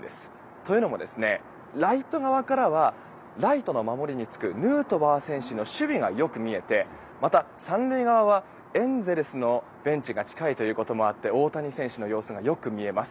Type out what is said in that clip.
というのも、ライト側からはライトの守りに就くヌートバー選手の守備がよく見えてまた、３塁側はエンゼルスのベンチが近いということもあって大谷選手の様子がよく見えます。